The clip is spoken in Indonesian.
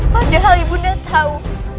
padahal ibunda tahu